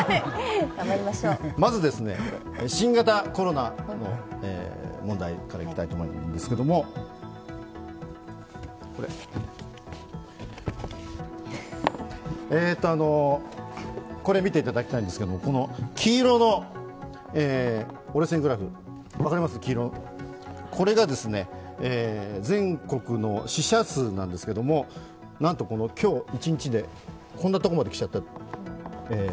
まず新型コロナの問題からいきたいと思うんですけれども、これ、見ていただきたいんですけど黄色の折れ線グラフこれが全国の死者数なんですがなんと今日一日でこんなところまで来ちゃってる。